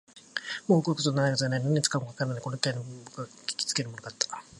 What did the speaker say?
もう動くことはないはずなのに、何に使うかもわからないのに、この機械には僕をひきつけるものがあった